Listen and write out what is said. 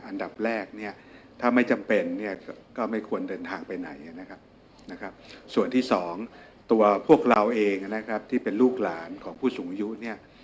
อันดับแรกเนี่ยถ้าไม่จำเป็นเนี่ย